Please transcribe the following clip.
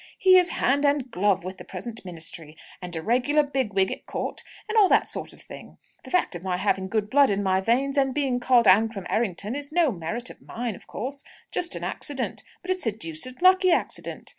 He is hand and glove with the present ministry, and a regular big wig at court, and all that sort of thing. The fact of my having good blood in my veins, and being called Ancram Errington, is no merit of mine, of course just an accident; but it's a deuced lucky accident.